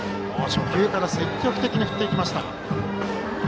初球から積極的に振ってきました。